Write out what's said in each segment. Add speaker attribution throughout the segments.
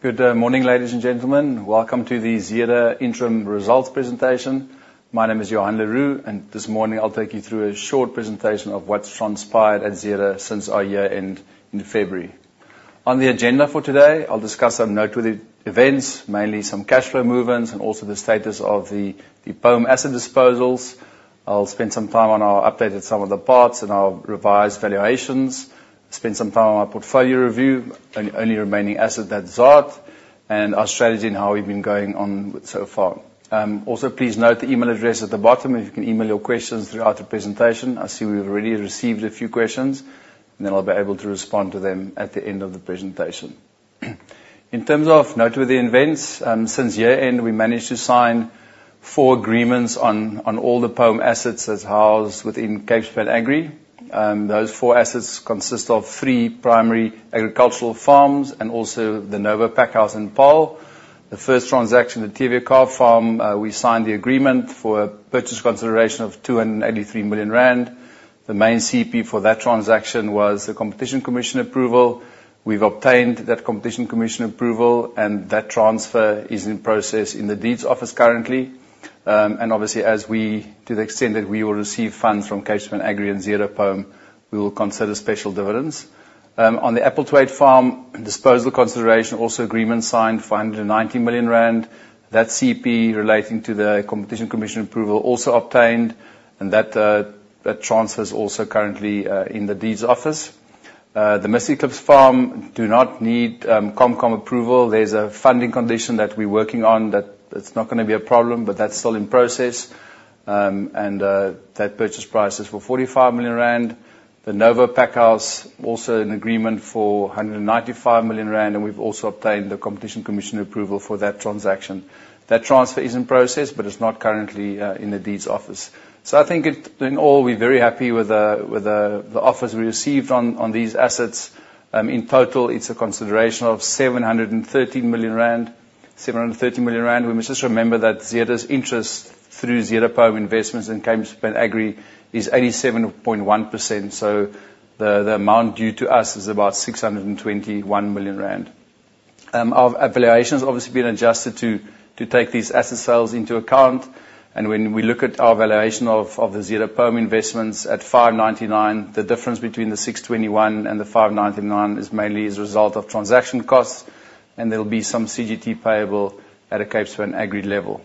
Speaker 1: Good morning, ladies and gentlemen. Welcome to the Zeder Investments interim results presentation. My name is Johann le Roux, and this morning I will take you through a short presentation of what has transpired at Zeder Investments since our year-end in February. On the agenda for today, I will discuss some noteworthy events, mainly some cash flow movements, and also the status of the Pome asset disposals. I will spend some time on our update at some of the parts and our revised valuations. Spend some time on our portfolio review, and only remaining asset that is Zaad, and our strategy and how we have been going on so far. Please note the email address at the bottom, if you can email your questions throughout the presentation. I see we have already received a few questions, then I will be able to respond to them at the end of the presentation. In terms of noteworthy events, since year-end, we managed to sign 4 agreements on all the Pome assets as housed within Capespan Agri. Those 4 assets consist of 3 primary agricultural farms and also the Novo Packhouse in Paarl. The first transaction, the Tweekop farm, we signed the agreement for purchase consideration of 283 million rand. The main CP for that transaction was the Competition Commission approval. We have obtained that Competition Commission approval, and that transfer is in process in the deeds office currently. Obviously, to the extent that we will receive funds from Capespan Agri and Zeder Pome, we will consider special dividends. On the Appletaardte farm disposal consideration, agreement signed for 190 million rand. That CP relating to the Competition Commission approval also obtained, and that transfer is also currently in the deeds office. The Misverstand farm do not need CompCom approval. There is a funding condition that we are working on. It is not going to be a problem, that is still in process. That purchase price is for 45 million rand. The Novo Packhouse, also an agreement for 195 million rand, we have also obtained the Competition Commission approval for that transaction. That transfer is in process, but it is not currently in the deeds office. I think in all, we are very happy with the offers we received on these assets. In total, it is a consideration of 730 million rand. We must just remember that Zeder Investments’ interest through Zeder Pome Investments in Capespan Agri is only 7.1%, so the amount due to us is about 621 million rand. Our valuation has obviously been adjusted to take these asset sales into account. When we look at our valuation of the Zeder Pome Investments at 599 million, the difference between the 621 million and the 599 million is mainly as a result of transaction costs, there will be some CGT payable at a Capespan Agri level.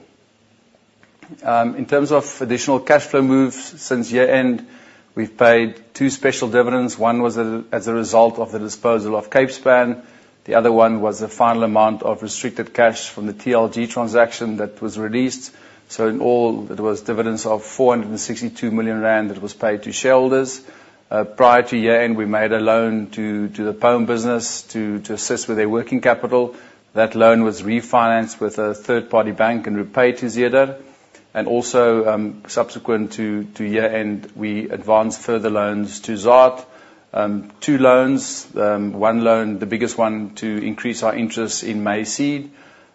Speaker 1: In terms of additional cash flow moves, since year-end, we have paid two special dividends. One was as a result of the disposal of Capespan. The other one was the final amount of restricted cash from the TLG transaction that was released. In all, it was dividends of 462 million rand that was paid to shareholders. Prior to year-end, we made a loan to the Pome business to assist with their working capital. That loan was refinanced with a third-party bank and repaid to Zeder Investments. Subsequent to year-end, we advanced further loans to Zaad. Two loans, one loan, the biggest one, to increase our interest in May Seed.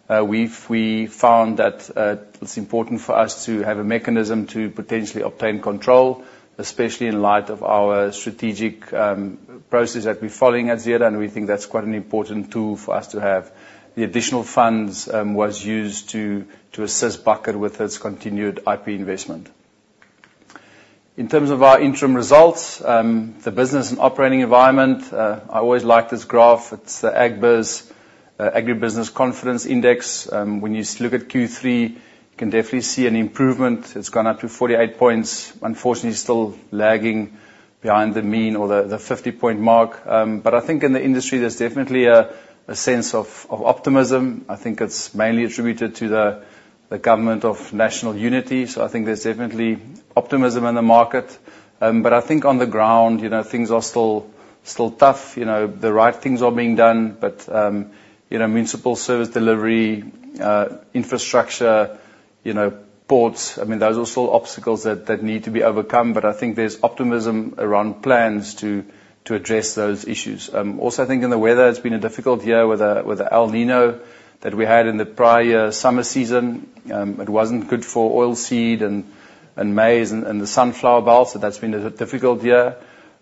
Speaker 1: We found that it's important for us to have a mechanism to potentially obtain control, especially in light of our strategic process that we're following at Zeder, and we think that's quite an important tool for us to have. The additional funds was used to assist Bakker with its continued IP investment. In terms of our interim results, the business and operating environment, I always like this graph. It's the Agbiz agribusiness confidence index. When you look at Q3, you can definitely see an improvement. It's gone up to 48 points. Unfortunately, still lagging behind the mean or the 50-point mark. I think in the industry, there's definitely a sense of optimism. I think it's mainly attributed to the government of national unity. I think there's definitely optimism in the market. I think on the ground, things are still tough. The right things are being done. Municipal service delivery, infrastructure, ports, those are still obstacles that need to be overcome. I think there's optimism around plans to address those issues. Also, I think in the weather, it's been a difficult year with the El Niño that we had in the prior summer season. It wasn't good for oil seed and maize and the sunflower bulbs. That's been a difficult year.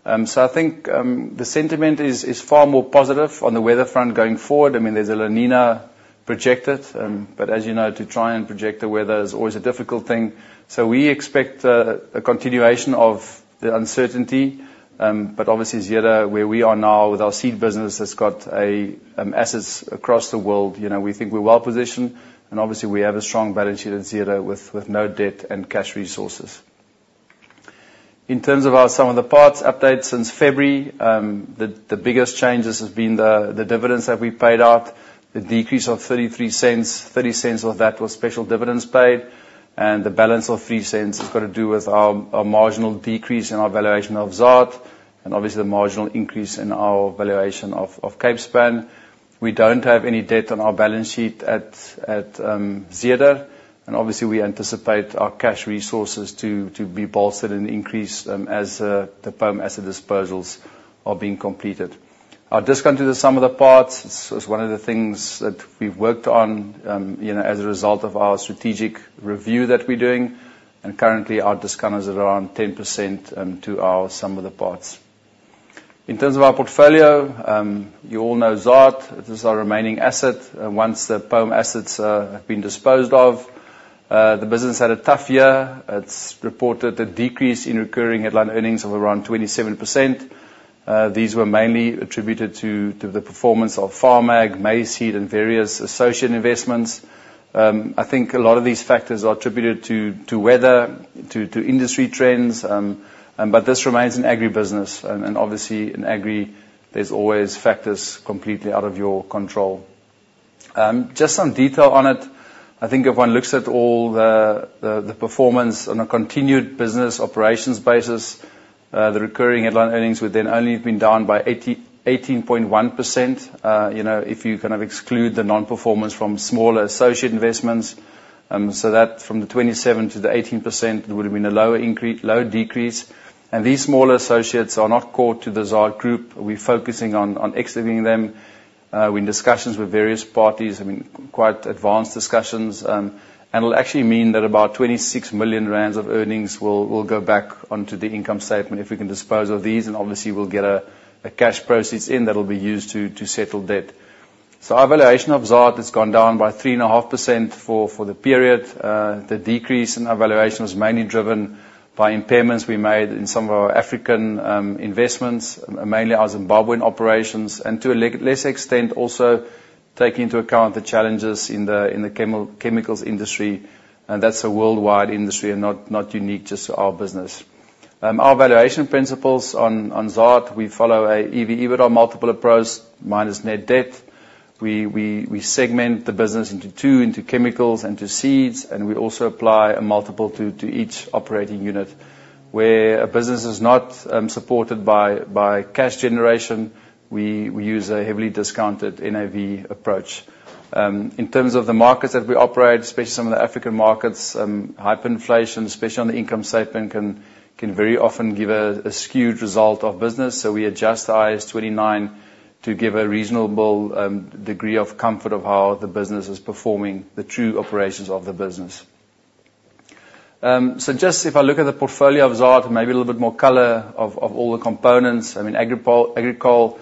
Speaker 1: I think the sentiment is far more positive on the weather front going forward. There's a La Niña projected, as you know, to try and project the weather is always a difficult thing. We expect a continuation of the uncertainty. Obviously Zeder, where we are now with our seed business, has got assets across the world. We think we're well positioned, obviously we have a strong balance sheet at Zeder with no debt and cash resources. In terms of our sum of the parts update since February, the biggest changes has been the dividends that we paid out. The decrease of 0.33, 0.30 of that was special dividends paid. The balance of 0.03 has got to do with our marginal decrease in our valuation of Zaad, obviously the marginal increase in our valuation of Capespan. We don't have any debt on our balance sheet at Zeder, obviously we anticipate our cash resources to be bolstered and increased as the Pome asset disposals are being completed. Our discount to the sum of the parts is one of the things that we've worked on as a result of our strategic review that we're doing. Currently, our discount is around 10% to our sum of the parts. In terms of our portfolio, you all know Zaad. It is our remaining asset. Once the Pome assets have been disposed of. The business had a tough year. It's reported a decrease in recurring headline earnings of around 27%. These were mainly attributed to the performance of Farm-Ag, May Seed, and various associate investments. I think a lot of these factors are attributed to weather, to industry trends, but this remains an agri business, obviously, in agri, there's always factors completely out of your control. Just some detail on it. I think if one looks at all the performance on a continued business operations basis, the recurring headline earnings would then only have been down by 18.1%, if you exclude the non-performance from smaller associate investments. From the 27% to the 18%, there would have been a lower decrease. These smaller associates are not core to the Zaad group. We're focusing on exiting them. We're in discussions with various parties, quite advanced discussions. It'll actually mean that about 26 million rand of earnings will go back onto the income statement if we can dispose of these, and obviously we'll get a cash process in that will be used to settle debt. Our valuation of Zaad has gone down by 3.5% for the period. The decrease in our valuation was mainly driven by impairments we made in some of our African investments, mainly our Zimbabwean operations, and to a lesser extent also take into account the challenges in the chemicals industry. That's a worldwide industry and not unique just to our business. Our valuation principles on Zaad, we follow an EV/EBITDA multiple approach minus net debt. We segment the business into two, into chemicals, into seeds. We also apply a multiple to each operating unit. Where a business is not supported by cash generation, we use a heavily discounted NAV approach. In terms of the markets that we operate, especially some of the African markets, high inflation, especially on the income statement, can very often give a skewed result of business. We adjust the IAS 29 to give a reasonable degree of comfort of how the business is performing the true operations of the business. If I look at the portfolio of Zaad, maybe a little bit more color of all the components. Agricol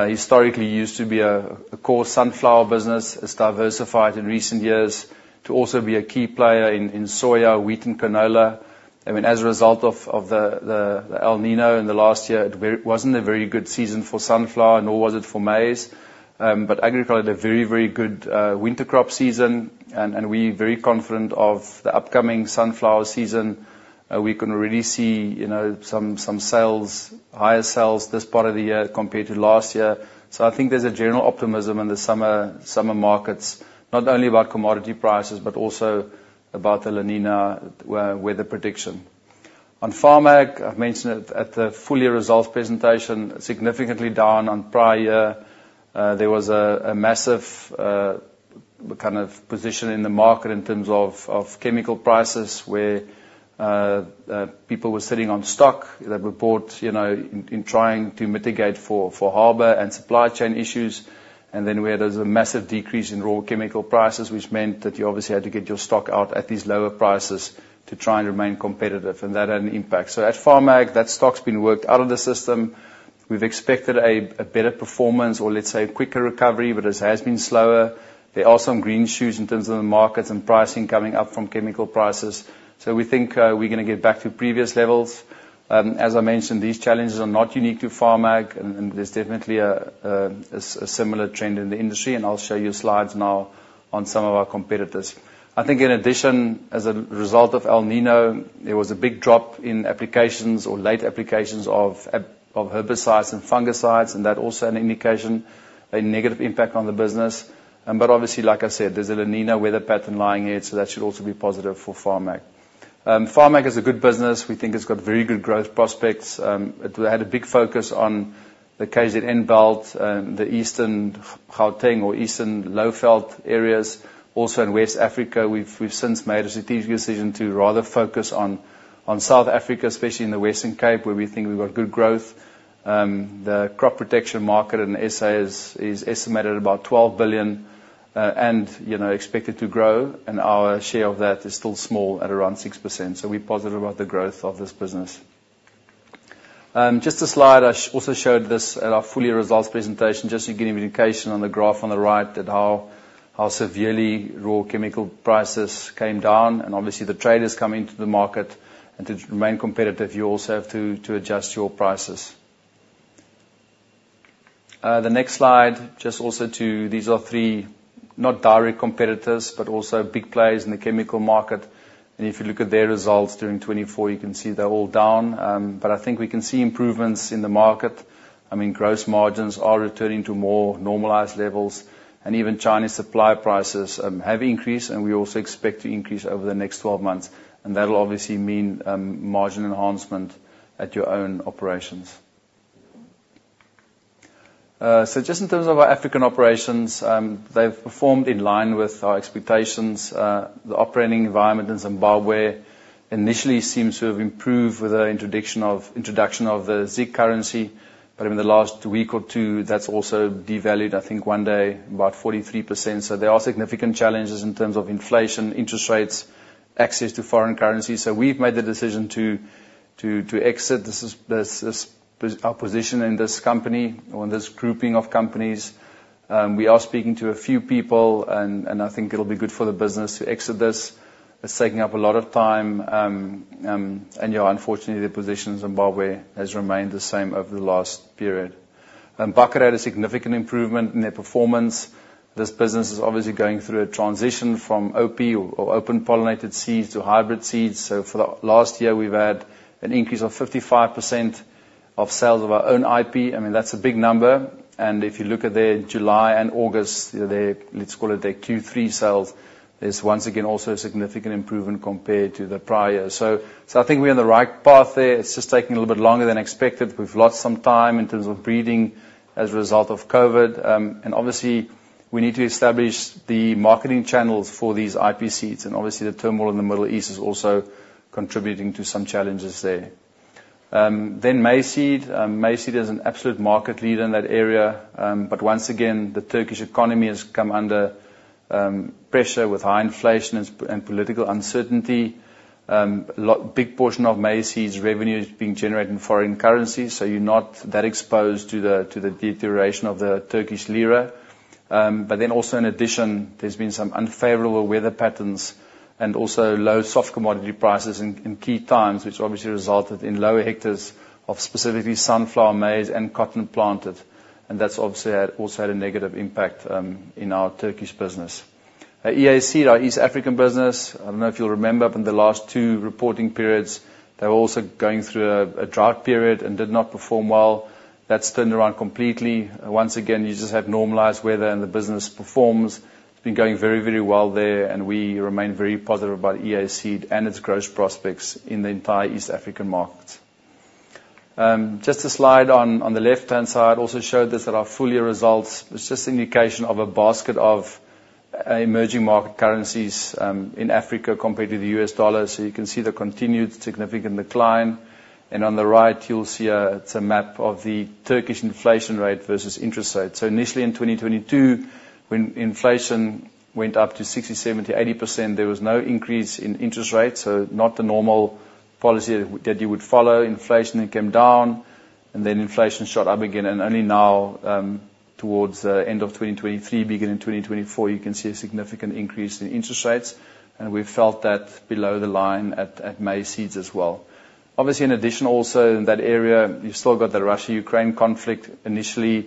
Speaker 1: historically used to be a core sunflower business. It's diversified in recent years to also be a key player in soya, wheat, and canola. As a result of the El Niño in the last year, it wasn't a very good season for sunflower, nor was it for maize. Agricol had a very, very good winter crop season, and we're very confident of the upcoming sunflower season. We can already see some higher sales this part of the year compared to last year. I think there's a general optimism in the summer markets, not only about commodity prices, but also about the La Niña weather prediction. On Farm-Ag, I've mentioned it at the full year results presentation, significantly down on prior. There was a massive position in the market in terms of chemical prices where people were sitting on stock that were bought in trying to mitigate for harbor and supply chain issues. Where there's a massive decrease in raw chemical prices, which meant that you obviously had to get your stock out at these lower prices to try and remain competitive. That had an impact. At Farm-Ag, that stock's been worked out of the system. We've expected a better performance or let's say quicker recovery, but it has been slower. There are some green shoots in terms of the markets and pricing coming up from chemical prices. We think we're going to get back to previous levels. As I mentioned, these challenges are not unique to Farm-Ag. There's definitely a similar trend in the industry, and I'll show you slides now on some of our competitors. I think in addition, as a result of El Niño, there was a big drop in applications or late applications of herbicides and fungicides, and that's also an indication a negative impact on the business. Obviously, like I said, there's a La Niña weather pattern lying ahead, that should also be positive for Farm-Ag. Farm-Ag is a good business. We think it's got very good growth prospects. It had a big focus on the KZN belt, the Eastern Gauteng or Eastern Lowveld areas. Also in West Africa, we've since made a strategic decision to rather focus on South Africa, especially in the Western Cape, where we think we've got good growth. The crop protection market in SA is estimated about 12 billion and expected to grow, and our share of that is still small at around 6%. We're positive about the growth of this business. Just a slide. I also showed this at our full year results presentation, just to give you an indication on the graph on the right that how severely raw chemical prices came down. Obviously the trade is coming to the market, and to remain competitive, you also have to adjust your prices. The next slide, these are three not direct competitors, but also big players in the chemical market. If you look at their results during 2024, you can see they're all down. I think we can see improvements in the market. Gross margins are returning to more normalized levels, and even Chinese supply prices have increased, and we also expect to increase over the next 12 months. That'll obviously mean margin enhancement at your own operations. Just in terms of our African operations, they've performed in line with our expectations. The operating environment in Zimbabwe initially seems to have improved with the introduction of the ZiG currency. In the last week or two, that's also devalued, I think one day, about 43%. There are significant challenges in terms of inflation, interest rates. Access to foreign currency. We've made the decision to exit our position in this company or this grouping of companies. We are speaking to a few people, and I think it'll be good for the business to exit this. It's taking up a lot of time. Unfortunately, the position in Zimbabwe has remained the same over the last period. Bakker had a significant improvement in their performance. This business is obviously going through a transition from OP or open pollinated seeds to hybrid seeds. For the last year, we've had an increase of 55% of sales of our own IP. I mean, that's a big number. If you look at their July and August, let's call it their Q3 sales, there's once again, also a significant improvement compared to the prior. I think we're on the right path there. It's just taking a little bit longer than expected. We've lost some time in terms of breeding as a result of COVID. Obviously we need to establish the marketing channels for these IP seeds. Obviously the turmoil in the Middle East is also contributing to some challenges there. May Seed. May Seed is an absolute market leader in that area. Once again, the Turkish economy has come under pressure with high inflation and political uncertainty. A big portion of May Seed's revenue is being generated in foreign currency, so you're not that exposed to the deterioration of the Turkish lira. Also in addition, there's been some unfavorable weather patterns and also low soft commodity prices in key times, which obviously resulted in lower hectares of specifically sunflower, maize, and cotton planted. That's obviously also had a negative impact in our Turkish business. EAC, our East African business, I don't know if you'll remember from the last 2 reporting periods, they were also going through a drought period and did not perform well. That's turned around completely. Once again, you just have normalized weather and the business performs. It's been going very well there, and we remain very positive about EAC and its growth prospects in the entire East African market. Just a slide on the left-hand side also showed this at our full year results. It's just an indication of a basket of emerging market currencies in Africa compared to the US dollar. You can see the continued significant decline. On the right you'll see it's a map of the Turkish inflation rate versus interest rate. Initially in 2022, when inflation went up to 60%, 70%, 80%, there was no increase in interest rates. Not the normal policy that you would follow. Inflation came down, then inflation shot up again. Only now, towards the end of 2023, beginning 2024, you can see a significant increase in interest rates. We've felt that below the line at May Seed as well. Obviously, in addition, also in that area, you've still got the Russia-Ukraine conflict. Initially,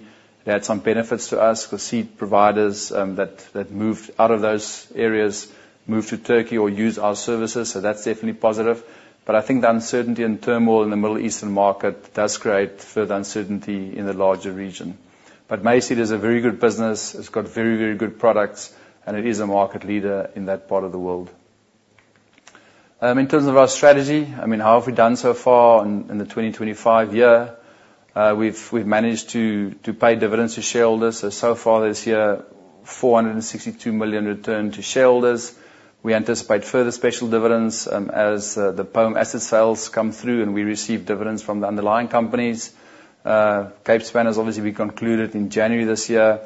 Speaker 1: they had some benefits to us because seed providers that moved out of those areas moved to Turkey or use our services. That's definitely positive. I think the uncertainty and turmoil in the Middle Eastern market does create further uncertainty in the larger region. May Seed is a very good business. It's got very good products, and it is a market leader in that part of the world. In terms of our strategy, I mean, how have we done so far in the 2025 year? We've managed to pay dividends to shareholders. So far this year, 462 million returned to shareholders. We anticipate further special dividends as the Pome asset sales come through, and we receive dividends from the underlying companies. Capespan has obviously been concluded in January this year.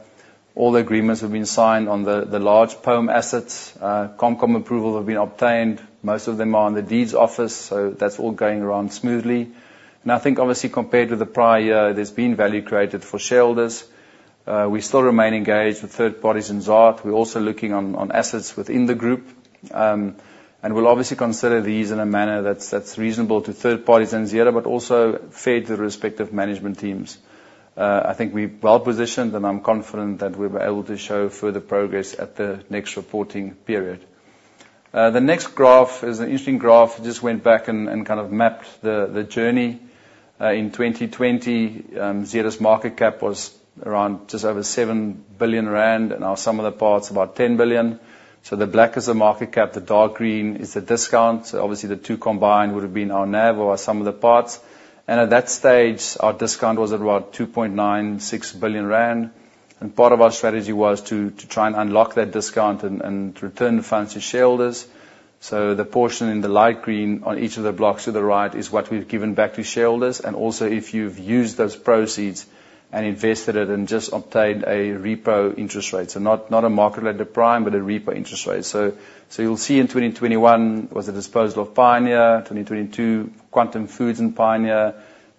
Speaker 1: All the agreements have been signed on the large Pome assets. Comp approval have been obtained. Most of them are in the deeds office, so that's all going around smoothly. I think obviously compared to the prior year, there's been value created for shareholders. We still remain engaged with third parties in Zaad. We'll obviously consider these in a manner that's reasonable to third parties in Zeder, but also fair to the respective management teams. I think we're well-positioned, and I'm confident that we'll be able to show further progress at the next reporting period. The next graph is an interesting graph. Just went back and kind of mapped the journey. In 2020, Zeder's market cap was around just over 7 billion rand, and our sum of the parts about 10 billion. The black is the market cap, the dark green is the discount. Obviously the two combined would have been our NAV or our sum of the parts. At that stage, our discount was at about 2.96 billion rand. Part of our strategy was to try and unlock that discount and return the funds to shareholders. The portion in the light green on each of the blocks to the right is what we've given back to shareholders, and also if you've used those proceeds and invested it and just obtained a repo interest rate. Not a market-led prime, but a repo interest rate. You'll see in 2021 was the disposal of Pioneer, 2022, Quantum Foods and Pioneer.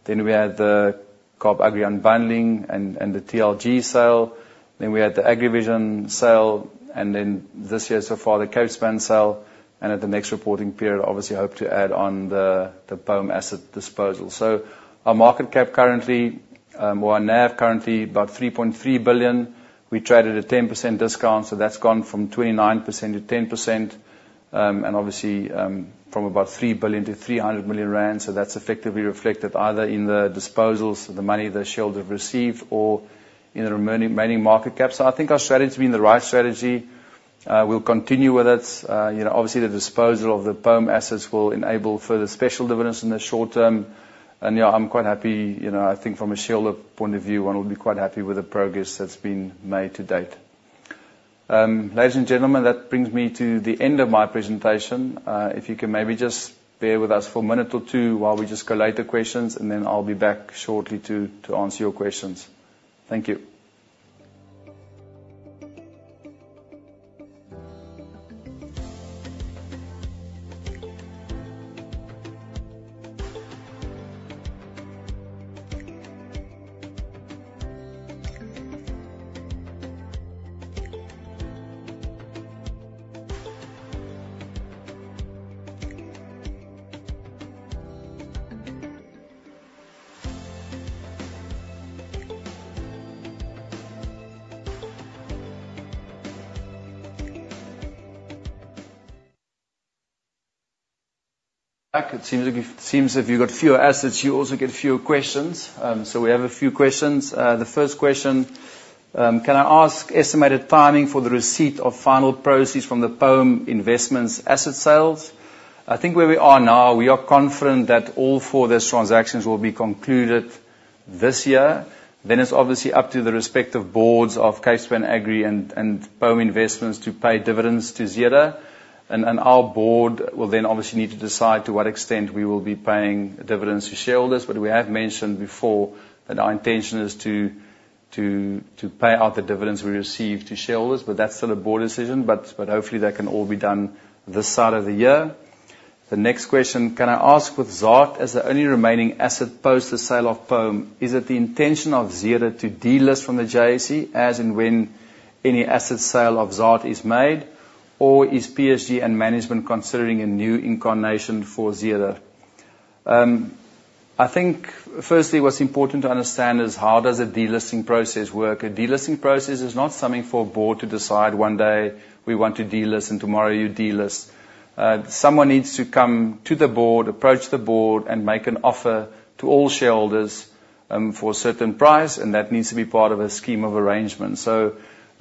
Speaker 1: We had the Kaap Agri unbundling and the TLG sale. We had the Agrivision sale, and this year so far, the Capespan sale. At the next reporting period, obviously hope to add on the Pome asset disposal. Our market cap currently, or our NAV currently about 3.3 billion. We traded a 10% discount, that's gone from 29% to 10%. Obviously, from about 3 billion to 300 million rand. That's effectively reflected either in the disposals, the money the shareholder received or in the remaining market cap. I think our strategy has been the right strategy. We'll continue with it. Obviously, the disposal of the Pome assets will enable further special dividends in the short term. Yeah, I'm quite happy. I think from a shareholder point of view, one would be quite happy with the progress that's been made to date. Ladies and gentlemen, that brings me to the end of my presentation. If you can maybe just bear with us for a minute or two while we just collate the questions, I'll be back shortly to answer your questions. Thank you. It seems if you've got fewer assets, you also get fewer questions. We have a few questions. The first question, can I ask estimated timing for the receipt of final proceeds from the Pome Investments asset sales? I think where we are now, we are confident that all four of those transactions will be concluded this year. It's obviously up to the respective boards of Capespan Agri and Pome Investments to pay dividends to Zeder. Our board will obviously need to decide to what extent we will be paying dividends to shareholders. We have mentioned before that our intention is to pay out the dividends we receive to shareholders. That's still a board decision. Hopefully that can all be done this side of the year. The next question, can I ask, with Zaad as the only remaining asset post the sale of Pome, is it the intention of Zeder to delist from the JSE as and when any asset sale of Zaad is made? Or is PSG and management considering a new incarnation for Zeder? I think firstly, what's important to understand is how does a delisting process work. A delisting process is not something for a board to decide one day we want to delist and tomorrow you delist. Someone needs to come to the board, approach the board, and make an offer to all shareholders, for a certain price, that needs to be part of a scheme of arrangement.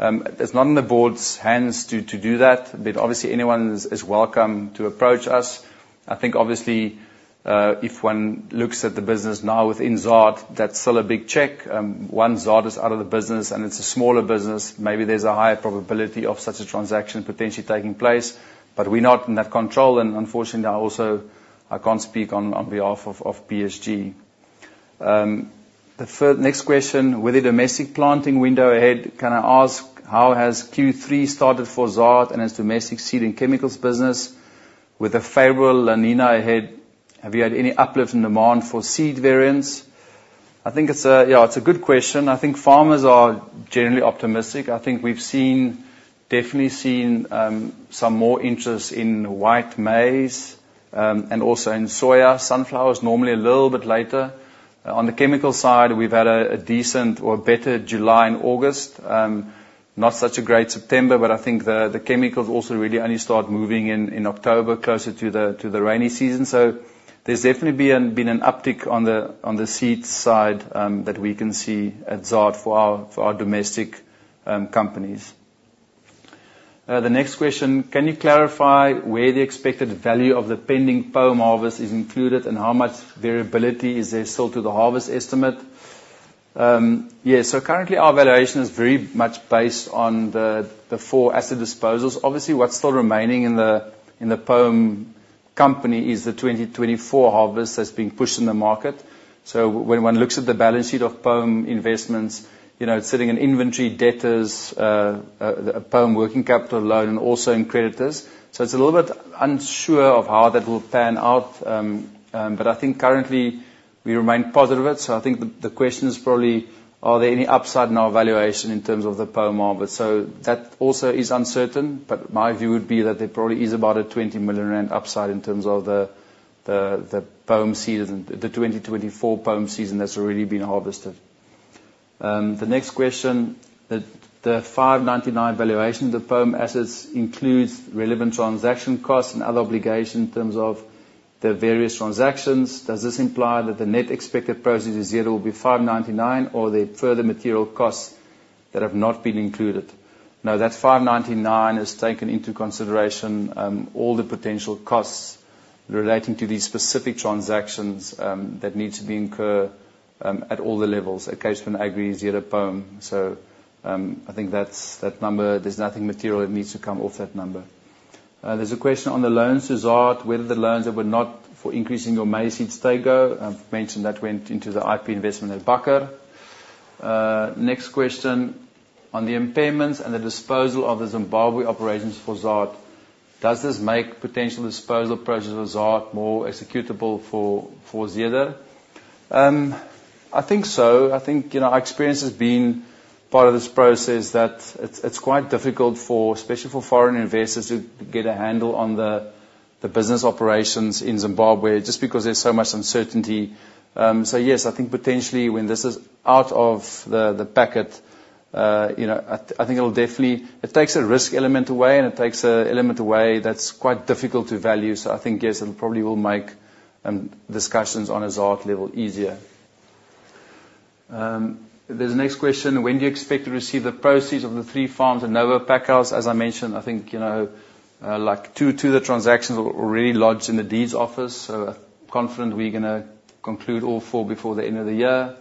Speaker 1: It's not in the board's hands to do that, but obviously anyone is welcome to approach us. I think obviously, if one looks at the business now within Zaad, that is still a big check. Once Zaad is out of the business and it is a smaller business, maybe there is a higher probability of such a transaction potentially taking place. But we are not in that control, and unfortunately, I also cannot speak on behalf of PSG. The next question, with the domestic planting window ahead, can I ask how has Q3 started for Zaad and its domestic seed and chemicals business? With a favorable La Niña ahead, have you had any uplift in demand for seed variants? I think it is a good question. I think farmers are generally optimistic. I think we have definitely seen some more interest in white maize, and also in soya. Sunflower is normally a little bit later. On the chemical side, we have had a decent or better July and August. Not such a great September, but I think the chemicals also really only start moving in October, closer to the rainy season. So there has definitely been an uptick on the seeds side that we can see at Zaad for our domestic companies. The next question, can you clarify where the expected value of the pending Pome harvest is included, and how much variability is there still to the harvest estimate? Yeah. So currently our valuation is very much based on the four asset disposals. Obviously, what is still remaining in the Pome company is the 2024 harvest that has been pushed in the market. So when one looks at the balance sheet of Pome Investments, it is sitting in inventory debtors, a Pome working capital loan, and also in creditors. So it is a little bit unsure of how that will pan out. But I think currently we remain positive. I think the question is probably, are there any upside in our valuation in terms of the Pome harvest? So that also is uncertain, but my view would be that there probably is about a 20 million rand upside in terms of the Pome season, the 2024 Pome season that has already been harvested. The next question, the 599 valuation of the Pome assets includes relevant transaction costs and other obligations in terms of the various transactions. Does this imply that the net expected proceeds to Zeder will be 599, or are there further material costs that have not been included? No, that 599 has taken into consideration all the potential costs relating to these specific transactions that need to be incurred at all the levels at Capespan Agri, Zeder, Pome. So, I think that number, there is nothing material that needs to come off that number. There is a question on the loans to Zaad, whether the loans that were not for increasing your May Seed, they go. I have mentioned that went into the IP investment at Bakker. Next question, on the impairments and the disposal of the Zimbabwe operations for Zaad, does this make potential disposal proceeds of Zaad more executable for Zeder? I think so. I think our experience has been part of this process that it is quite difficult, especially for foreign investors, to get a handle on the business operations in Zimbabwe, just because there is so much uncertainty. So yes, I think potentially when this is out of the packet, I think it will definitely It takes a risk element away and it takes an element away that is quite difficult to value. So I think yes, it probably will make discussions on a Zaad level easier. There is a next question. When do you expect to receive the proceeds of the 3 farms and Novo Packhouse? As I mentioned, I think two of the transactions are already lodged in the deeds office. Confident we're going to conclude all 4 before the end of the year.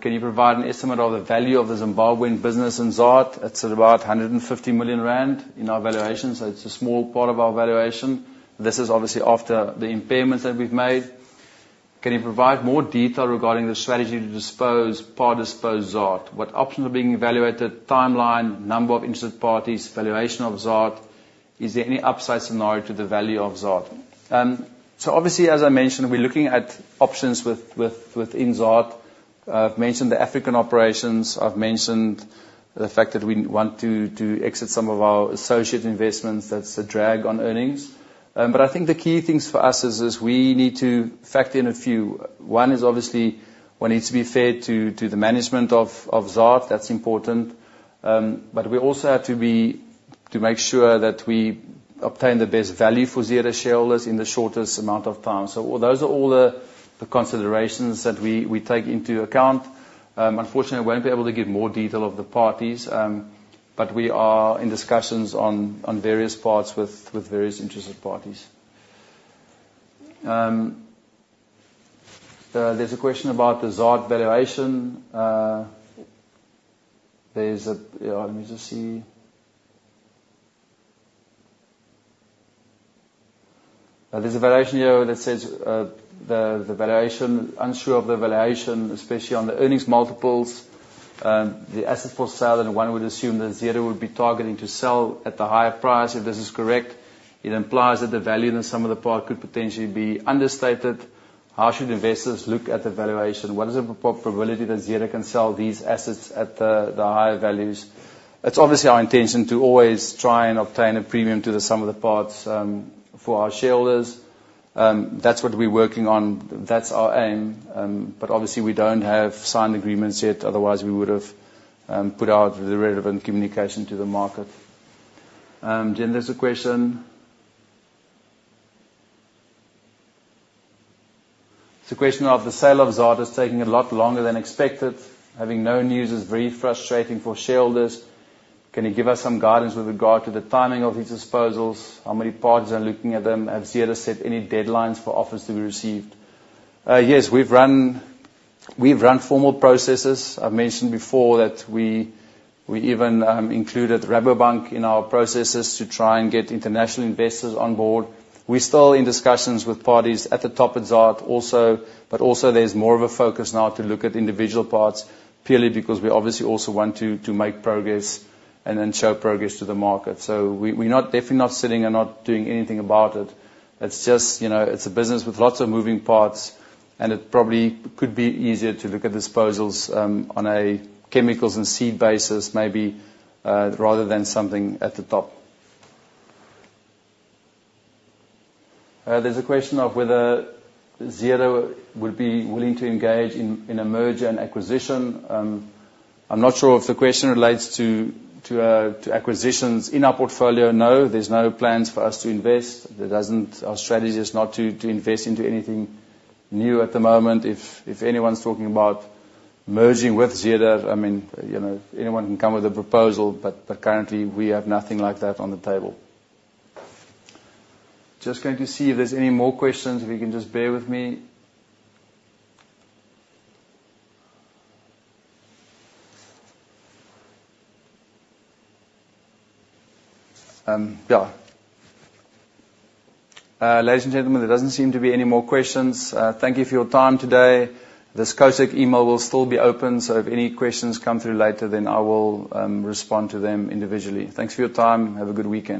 Speaker 1: Can you provide an estimate of the value of the Zimbabwean business in Zaad? It's at about 150 million rand in our valuation. It's a small part of our valuation. This is obviously after the impairments that we've made. Can you provide more detail regarding the strategy to dispose, part dispose, Zaad? What options are being evaluated, timeline, number of interested parties, valuation of Zaad? Is there any upside scenario to the value of Zaad? Obviously, as I mentioned, we're looking at options within Zaad. I've mentioned the African operations, I've mentioned the fact that we want to exit some of our associate investments. That's a drag on earnings. I think the key things for us is we need to factor in a few. One is obviously one needs to be fair to the management of Zaad. That's important. We also have to make sure that we obtain the best value for Zeder shareholders in the shortest amount of time. Those are all the considerations that we take into account. Unfortunately, I won't be able to give more detail of the parties. We are in discussions on various parts with various interested parties. There's a question about the Zaad valuation. Let me just see. There's a valuation here that says, unsure of the valuation, especially on the earnings multiples. The assets for sale, one would assume that Zeder would be targeting to sell at the higher price. If this is correct, it implies that the value in some of the parts could potentially be understated. How should investors look at the valuation? What is the probability that Zeder can sell these assets at the higher values? It's obviously our intention to always try and obtain a premium to the sum of the parts for our shareholders. That's what we're working on. That's our aim. Obviously we don't have signed agreements yet, otherwise we would have put out the relevant communication to the market. There's a question. It's a question of the sale of Zaad is taking a lot longer than expected. Having no news is very frustrating for shareholders. Can you give us some guidance with regard to the timing of these disposals? How many parties are looking at them? Have Zeder set any deadlines for offers to be received? Yes. We've run formal processes. I've mentioned before that we even included Rabobank in our processes to try and get international investors on board. We're still in discussions with parties at the top of Zaad also, but also there's more of a focus now to look at individual parts purely because we obviously also want to make progress and then show progress to the market. We're definitely not sitting and not doing anything about it. It's a business with lots of moving parts, and it probably could be easier to look at disposals on a chemicals and seed basis, maybe, rather than something at the top. There's a question of whether Zeder would be willing to engage in a merger and acquisition. I'm not sure if the question relates to acquisitions in our portfolio. No, there's no plans for us to invest. Our strategy is not to invest into anything new at the moment. If anyone's talking about merging with Zeder, anyone can come with a proposal. Currently we have nothing like that on the table. Just going to see if there's any more questions. If you can just bear with me. Ladies and gentlemen, there doesn't seem to be any more questions. Thank you for your time today. The CoSec email will still be open, if any questions come through later, I will respond to them individually. Thanks for your time. Have a good weekend.